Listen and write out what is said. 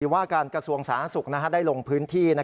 ว่าการกระทรวงสาธารณสุขได้ลงพื้นที่